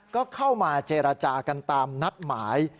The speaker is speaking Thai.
ก็เข้ามาเจรจากันตามนัดหมาย